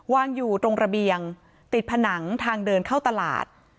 วางอยู่ตรงระเบียงติดผนังทางเดินเข้าตลาด